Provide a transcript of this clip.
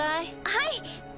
はい。